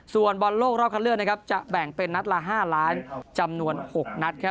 ส่วนบอลโลกรอบคันเลือกจะแบ่งเป็นนัดละ๕ล้านจำนวน๖นัด